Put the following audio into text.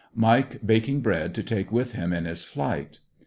Mike baking bread to take with him in his flight.